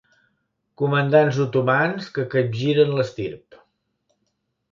Comandants otomans que capgiren l'estirp.